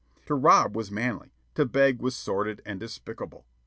To rob was manly; to beg was sordid and despicable.